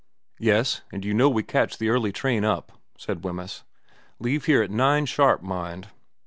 ' Yes and you know we catch the early train up,' said Wemyss. * Leave here at nine sharp, mind.'